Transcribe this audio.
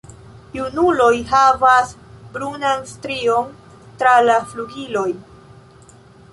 Junuloj havas brunan strion tra la flugiloj.